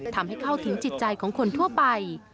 ทำให้เข้าถึงจิตใจของคนทั่วไป